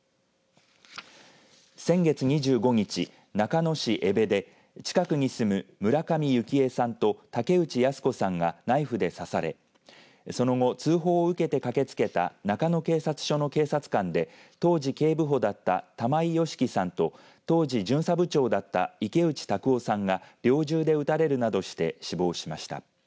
先月２５日中野市江部で、近くに住む村上幸枝さんと竹内やす子さんがナイフで刺されその後、通報を受けて駆けつけた中野警察署の警察官で当時警部補だった玉井良樹さんと当時、巡査部長だった池内卓夫さんが猟銃で撃たれるなどして死亡しました。